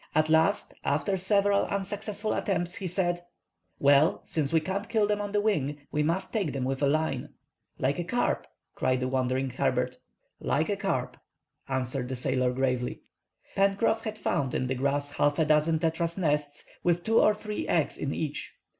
At last, after several unsuccessful attempts, he said, "Well, since we can't kill them on the wing, we must take them with a line." "Like a carp," cried the wondering Herbert. "Like a carp," answered the sailor, gravely. Pencroff had found in the grass half a dozen tetras nests, with two or three eggs in each.